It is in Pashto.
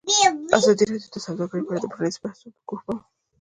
ازادي راډیو د سوداګري په اړه د پرانیستو بحثونو کوربه وه.